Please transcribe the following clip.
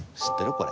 これ。